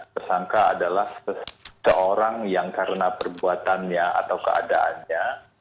tersangka adalah seseorang yang karena perbuatannya atau keadaannya